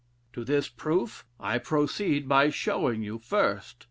To this proof I proceed, by showing you: 1st.